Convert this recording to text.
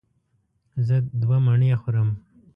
زه دوه مڼې خورم.